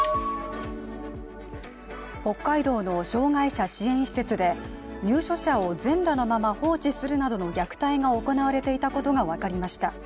北海道の障害者支援施設で入所者を全裸のまま放置するなどの虐待が行われていたことが分かりました。